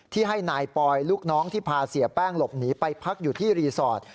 ที่ให้นายปอยลูกน้องที่พาเสียแป้งหลบหนีไปพักอยู่ที่รีสอร์ท